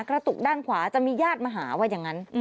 กระตุกด้านขวาจะมีญาติมาหาว่าอย่างนั้น